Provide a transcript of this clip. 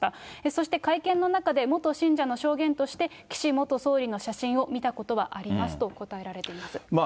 そして会見の中で元信者の証言として、岸元総理の写真を見たことはありますと答えられています。